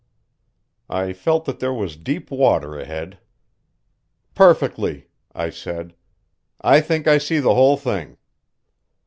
I felt that there was deep water ahead. "Perfectly," I said. "I think I see the whole thing."